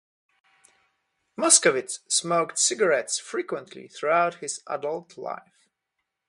Moskowitz smoked cigarettes frequently throughout his adult life.